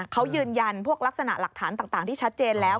เขายืนยันพวกลักษณะหลักฐานต่างที่ชัดเจนแล้ว